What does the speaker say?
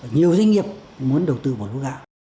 nhiều doanh nghiệp muốn đầu tư vào lúa gạo